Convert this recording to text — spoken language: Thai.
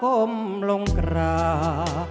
เพลงพร้อมร้องได้ให้ล้าน